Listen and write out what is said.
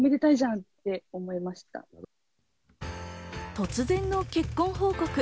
突然の結婚報告。